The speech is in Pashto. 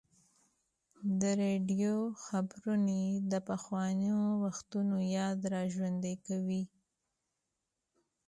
د راډیو خپرونې د پخوانیو وختونو یاد راژوندی کوي.